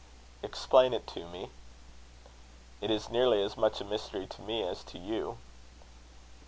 "Explain it to me." "It is nearly as much a mystery to me as to you."